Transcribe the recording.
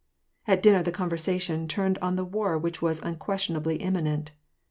At dinner the conversation turned on the war which was un questionably imminent.